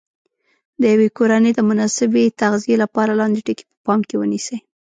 د یوې کورنۍ د مناسبې تغذیې لپاره لاندې ټکي په پام کې ونیسئ.